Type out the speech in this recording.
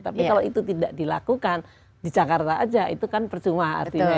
tapi kalau itu tidak dilakukan di jakarta aja itu kan percuma artinya